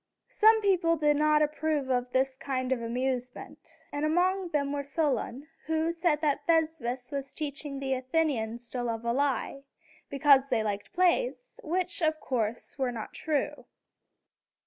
Some people did not approve of this kind of amusement; and among them was Solon, who said that Thespis was teaching the Athenians to love a lie, because they liked the plays, which, of course, were not true.